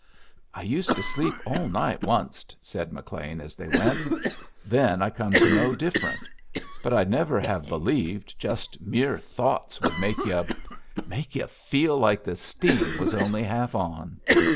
"I used to sleep all night onced," said McLean, as they went. "Then I come to know different. But I'd never have believed just mere thoughts could make yu' make yu' feel like the steam was only half on.